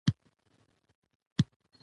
جملې بايد ډېري سي.